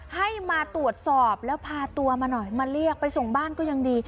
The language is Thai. ให้มาตรวจสอบแล้วพาตัวมาหน่อยมาเรียกไปส่งบ้านก็ยังดี